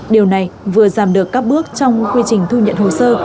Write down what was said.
điều này vừa giảm được các bước trong quy trình thu nhận hồ sơ